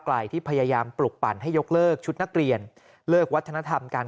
ไกลที่พยายามปลุกปั่นให้ยกเลิกชุดนักเรียนเลิกวัฒนธรรมการ